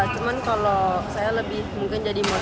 cuma kalau saya lebih mungkin jadi motivasi aja